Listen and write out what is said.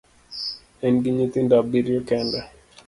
En gi nyithindo abiriyo kende